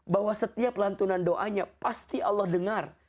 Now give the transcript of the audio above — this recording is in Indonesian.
bahwa setiap lantunan doanya pasti allah dengar